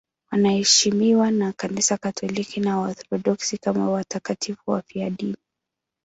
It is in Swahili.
Wanaheshimiwa na Kanisa Katoliki na Waorthodoksi kama watakatifu wafiadini.